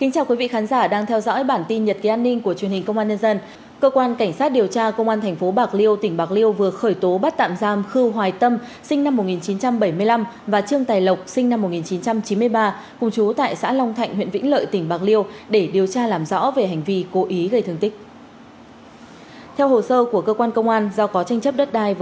cảm ơn các bạn đã theo dõi